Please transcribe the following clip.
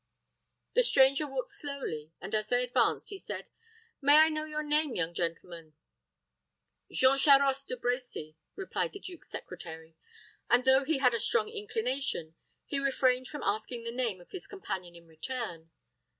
The stranger walked slowly, and, as they advanced, he said, "May I know your name, young gentleman?" "Jean Charost de Brecy," replied the duke's secretary; and, though he had a strong inclination, he refrained from asking the name of his companion in return.